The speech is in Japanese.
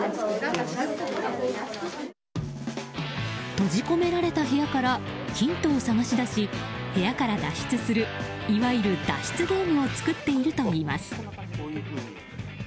閉じ込められた部屋からヒントを探し出し部屋から脱出するいわゆる脱出ゲームを作っているといいます。